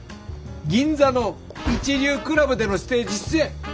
銀座の一流クラブでのステージ出演。